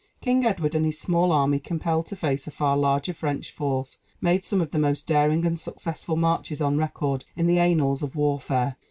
King Edward and his small army compelled to face a far larger French force, made some of the most daring and successful marches on record in the annals of warfare.